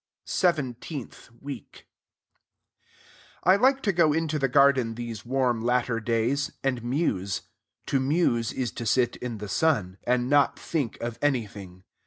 SEVENTEENTH WEEK I like to go into the garden these warm latter days, and muse. To muse is to sit in the sun, and not think of anything.